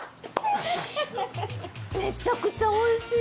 めちゃくちゃおいしい。